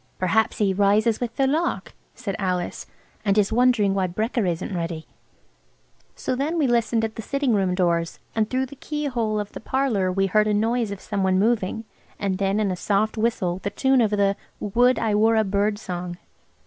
"Perhaps he rises with the lark," said Alice, "and is wondering why brekker isn't ready." So then we listened at the sitting room doors, and through the keyhole of the parlour we heard a noise of some one moving, and then in a soft whistle the tune of the "Would I were a bird" song.